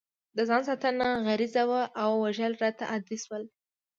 د ځان ساتنه غریزه وه او وژل راته عادي شول